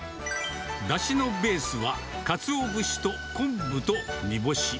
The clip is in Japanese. だしのベースは、カツオ節と昆布と煮干し。